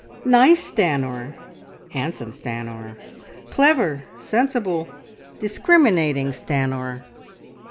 "Nice Stanor! Handsome Stanor! Clever, sensible, discriminating Stanor!"